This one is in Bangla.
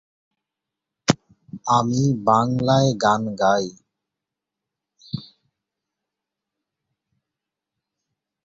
যেমন- পরে একবার এসো।